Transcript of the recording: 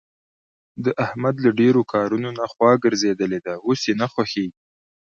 د احمد له ډېرو کارونو نه خوا ګرځېدلې ده. اوس یې نه خوښږېږي.